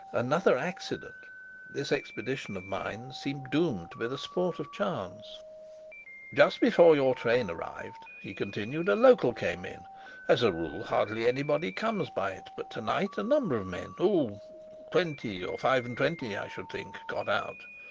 Another accident! This expedition of mine seemed doomed to be the sport of chance. "Just before your train arrived," he continued, "a local came in. As a rule, hardly anybody comes by it, but to night a number of men oh, twenty or five and twenty, I should think got out.